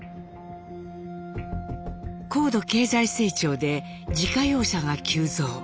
高度経済成長で自家用車が急増。